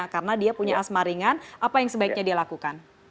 karena dia punya asmaringan apa yang sebaiknya dia lakukan